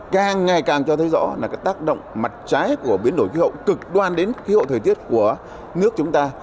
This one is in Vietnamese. càng ngày càng cho thấy rõ là tác động mặt trái của biến đổi khí hậu cực đoan đến khí hậu thời tiết của nước chúng ta